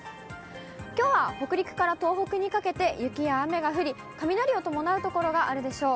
きょうは北陸から東北にかけて雪や雨が降り、雷を伴う所があるでしょう。